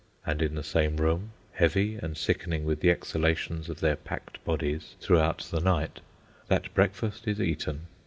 And in the same room, heavy and sickening with the exhalations of their packed bodies throughout the night, that breakfast is eaten.